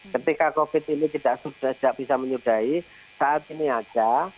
ketika covid ini tidak bisa menyudahi saat ini saja